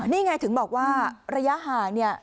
นี่ไงถึงบอกว่าระยะห่างเนี่ย